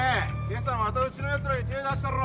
今朝またうちのやつらに手ぇ出したろ！